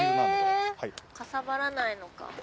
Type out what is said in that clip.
かさばらないのか。